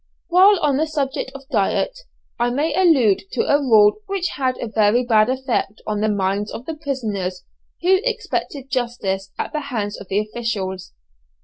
While on the subject of diet, I may allude to a rule which had a very bad effect on the minds of the prisoners who expected justice at the hands of the officials.